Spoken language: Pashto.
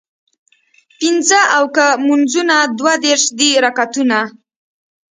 پينځۀ اوکه مونځونه دوه دېرش دي رکعتونه